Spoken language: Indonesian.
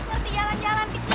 ngerti jalan jalan kecil